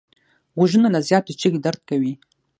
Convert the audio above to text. غوږونه له زیاتې چیغې درد کوي